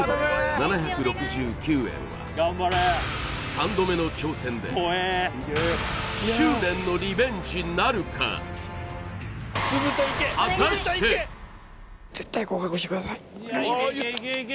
３度目の挑戦で執念のリベンジなるかお願いします